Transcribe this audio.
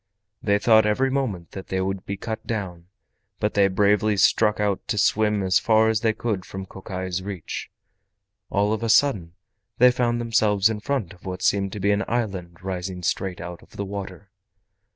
They thought every moment that they would be cut down, but they bravely struck out to swim as far as they could from Kokai's reach. All of a sudden they found themselves in front of what seemed to be an island rising straight out of the water.